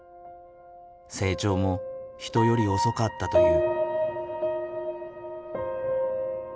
成長も人より遅かったという。